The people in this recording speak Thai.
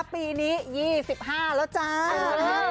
ปีนี้ยี่สิบห้าแล้วจ้าเออ